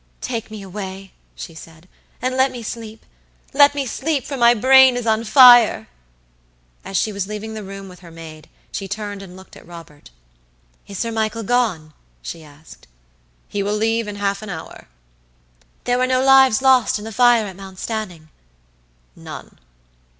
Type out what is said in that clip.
"Take me away," she said, "and let me sleep! Let me sleep, for my brain is on fire!" As she was leaving the room with her maid, she turned and looked at Robert. "Is Sir Michael gone?" she asked. "He will leave in half an hour." "There were no lives lost in the fire at Mount Stanning?" "None."